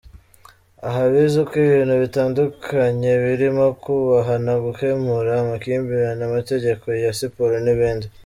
Aha bize uko ibintu bitandukanye birimo kubahana, gukemura amakimbirane, amategeko ya siporo n’ibindi.